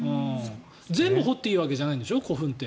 全部掘っていいわけじゃないんでしょ、古墳って。